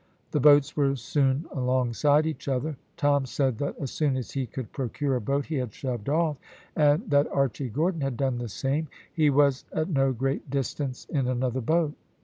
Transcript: The boats were soon alongside each other. Tom said that as soon as he could procure a boat he had shoved off, and that Archy Gordon had done the same he was at no great distance in another boat.